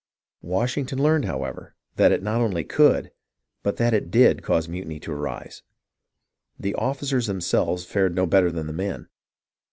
Washington learned, however, that it not only could, but that it did, cause mutiny to arise. The ofificers them selves fared no better than the men.